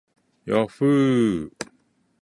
yahhoo